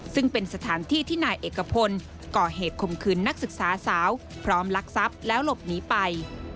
ซึ่งเป็นสถานที่ที่นายเอกพลก่อเหตุคมคืนนักศึกษาสาวพร้อมลักทรัพย์แล้วหลบหนีไป